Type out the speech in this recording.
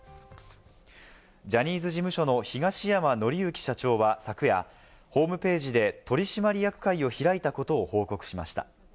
ジャニーズ事務所の東山紀之社長は昨夜、ホームページで取締役会を開いたことを報告しました。